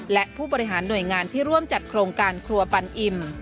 และผู้บริหารหน่วยงานที่ร่วมจัดโครงการครัวปันอิ่ม